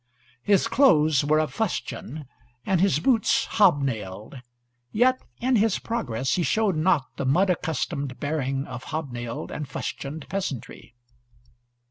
His clothes were of fustian and his boots hobnailed, yet in his progress he showed not the mud accustomed bearing of hobnailed and fustianed peasantry.